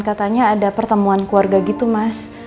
katanya ada pertemuan keluarga gitu mas